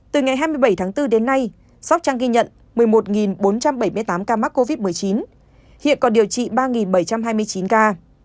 từ ngày hai mươi bảy tháng bốn đến nay sóc trăng ghi nhận một mươi một bốn trăm bảy mươi tám ca mắc covid một mươi chín hiện còn điều trị ba bảy trăm hai mươi chín ca